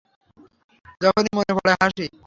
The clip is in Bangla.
যখনই মনে পরে হাঁসি।